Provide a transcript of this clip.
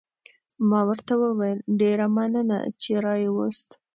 ما ورته وویل: ډېره مننه، چې را يې وست.